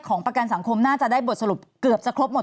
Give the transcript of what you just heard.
ประกันสังคมน่าจะได้บทสรุปเกือบจะครบหมด